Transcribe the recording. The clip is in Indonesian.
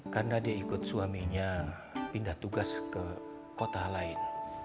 karena dia ikut suaminya pindah tugas ke kota lain